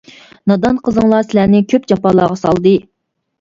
نادان قىزىڭلار سىلەرنى كۆپ جاپالارغا سالدى.